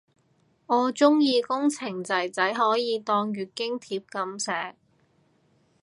我鍾意工程仔仔可以當月經帖噉寫